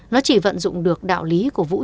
nó chỉ vận dụng được đạo lý của vũ